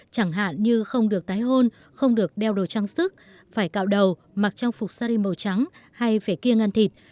chẳng hạn như không được tái hôn không được đeo đồ trang sức phải cạo đầu mặc trang phục sari màu trắng hay phải kia ăn thịt